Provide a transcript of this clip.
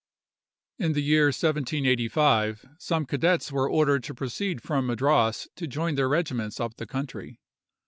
In the year 1785, some cadets were ordered to proceed from Madras to join their regiments up the country.